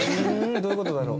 どういう事だろう？